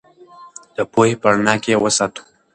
د پوهې په رڼا کې یې وساتو.